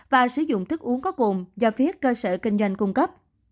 và sử dụng thức uống có cồn do phía cơ sở kinh doanh cung cấp